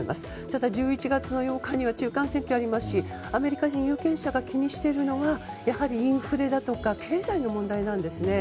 ただ、１１月の８日に中間選挙もありますしアメリカ人有権者が気にしているのがやはりインフレだとか経済の問題なんですね。